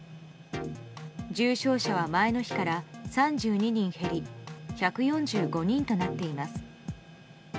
重症者は前の日から３２人減り１４５人となっています。